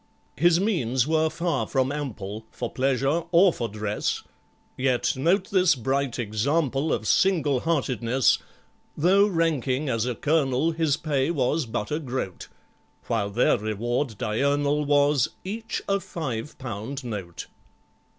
His means were far from ample For pleasure or for dress, Yet note this bright example Of single heartedness: Though ranking as a Colonel, His pay was but a groat, While their reward diurnal Was—each a five pound note.